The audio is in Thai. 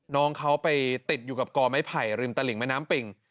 น้องเขาไปติดอยู่กับกอไม้ไผ่ริมตลิงแม่น้ำปิ่ง